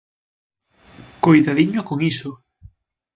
¡Coidadiño con iso!